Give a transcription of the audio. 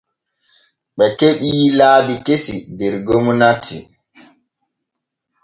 Ɓe keɓii laabi kesi der gomnati.